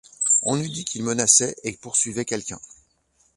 On eût dit qu’ils menaçaient et poursuivaient quelqu’un.